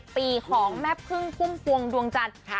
ปีของแม่พึ่งพุ่มพวงดวงจันทร์